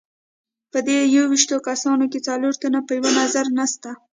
په دې یوویشتو کسانو کې څلور تنه په یوه نظر نسته.